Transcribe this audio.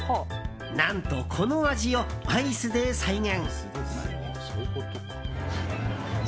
何と、この味をアイスで再現。